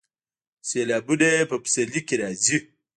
سیلابونه په پسرلي کې راځي